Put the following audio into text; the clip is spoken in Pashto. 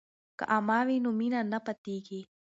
که عمه وي نو مینه نه پاتیږي.